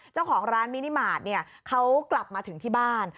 เจ้าของร้านมินิมาตรเขากลับมาถึงที่บ้าน